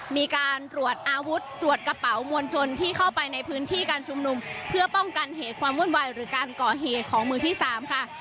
มีการตรวจอาวุธตรวจกระเป๋ามวลชนที่เข้าไปในพื้นที่การชุมนุมเพื่อป้องกันเหตุความวุ่นวายหรือการก่อเหตุของมือที่สามค่ะ